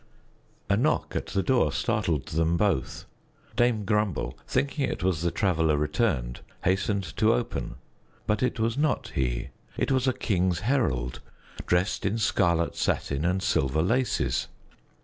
A knock at the door startled them both. Dame Grumble, thinking it was the Traveler returned, hastened to open; but it was not he. It was a king's herald dressed in scarlet satin and silver laces.